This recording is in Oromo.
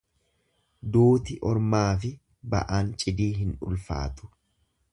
Duuti ormaafi ba'aan cidii hin ulfaatu.